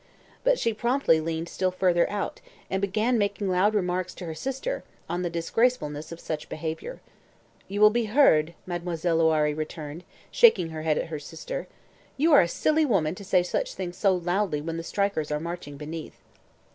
But she promptly leaned still farther out, and began making loud remarks to her sister, on the disgracefulness of such behaviour. "You will be heard," Mademoiselle Loiré returned, shaking her head at her sister. "You are a silly woman to say such things so loudly when the strikers are marching beneath."